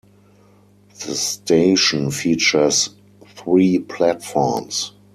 The station features three platforms.